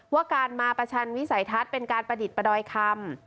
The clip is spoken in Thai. ว่าการมาประชันวิสัยทัศน์เป็นการประดิษฐ์ประดอยคำ